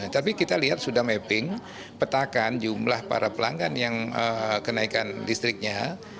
tapi kita lihat sudah mapping petakan jumlah para pelanggan yang kenaikan listriknya